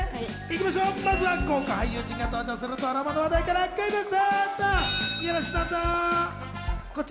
まずは豪華俳優陣が登場するドラマの話題からクイズッス。